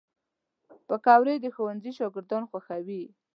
پکورې د ښوونځي شاګردان خوښوي